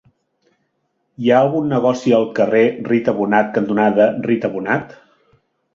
Hi ha algun negoci al carrer Rita Bonnat cantonada Rita Bonnat?